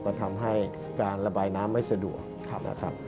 ก็ทำให้การระบายน้ำไม่สะดวก